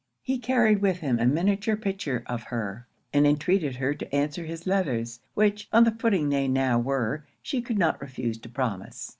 He carried with him a miniature picture of her, and entreated her to answer his letters; which, on the footing they now were, she could not refuse to promise.